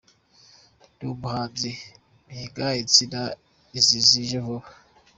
Ndi umuhinzi, mpinga intsina izi zije vuba.